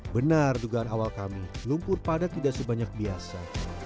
benar dugaan awal kami lumpur padat tidak sebanyak biasa